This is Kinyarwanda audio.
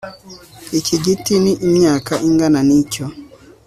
Iki giti ni imyaka ingana nicyo